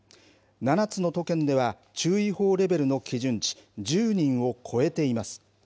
７つの都県では、注意報レベルの基準値、１０人を超えています。